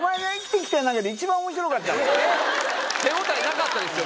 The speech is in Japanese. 手応えなかったですよ